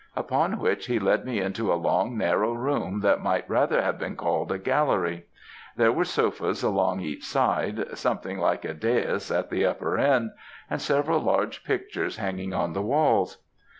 "Upon which he led me into a long narrow room that might rather have been called a gallery. There were sofas along each side, something like a dais at the upper end; and several large pictures hanging on the walls.